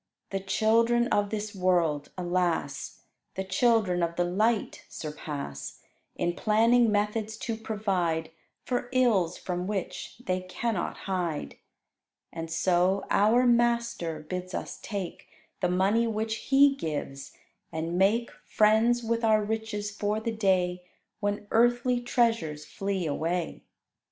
The children of this world, alas! The children of the light surpass, In planning methods to provide For ills from which they cannot hide. And so our Master bids us take The money which He gives, and make Friends with our riches for the day When earthly treasures flee away.